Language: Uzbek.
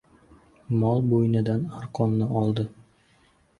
Mol bo‘ynidan arqonni oldi.